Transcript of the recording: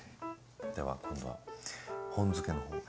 では今度は本漬けの方を。